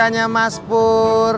halo beb rika maspur